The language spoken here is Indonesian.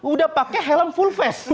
udah pakai helm full face